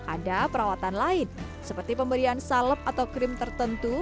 ada perawatan lain seperti pemberian salep atau krim tertentu